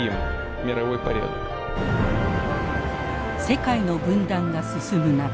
世界の分断が進む中